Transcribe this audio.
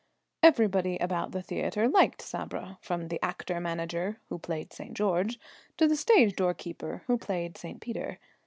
Everybody about the theatre liked Sabra, from the actor manager (who played St. George) to the stage door keeper (who played St. Peter).